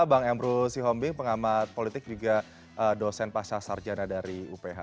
bang emru sihombing pengamat politik juga dosen pasca sarjana dari uph